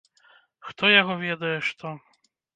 Хто яго ведае, што.